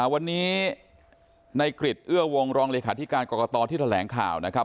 วันนี้ในกริจเอื้อวงรองเลขาธิการกรกตที่แถลงข่าวนะครับ